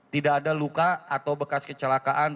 tidak ada luka atau bekas kecelakaan